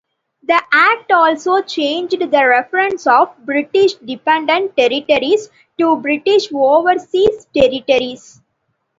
The act also changed the reference of British Dependent Territories to British Overseas Territories.